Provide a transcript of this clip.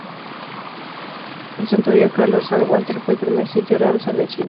El santuario Carlos Anwandter fue el primer sitio Ramsar de Chile.